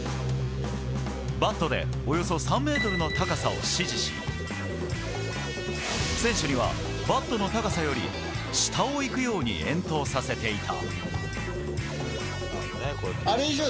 バットでおよそ３ｍの高さを指示し選手には、バットの高さより下をいくように遠投させていた。